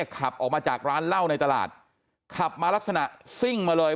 ขับออกมาจากร้านเหล้าในตลาดขับมาลักษณะซิ่งมาเลย